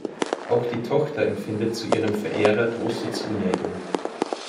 Auch die Tochter empfindet zu ihrem Verehrer große Zuneigung.